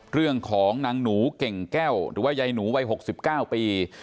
เรื่องของนางหนูเก่งแก้วหรือว่ายายหนูวัย๖๙ปี